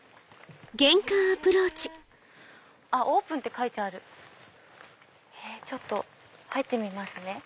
オープンって書いてあるちょっと入ってみますね。